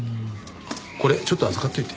これちょっと預かっておいて。